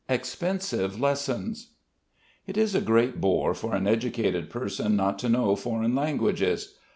EXPENSIVE LESSONS It is a great bore for an educated person not to know foreign languages.